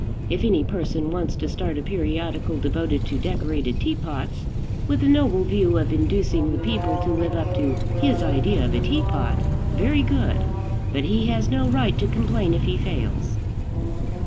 If any person wants to start a periodical devoted to decorated teapots, with the noble view of inducing the people to live up to his idea of a teapot, very good; but he has no right to complain if he fails.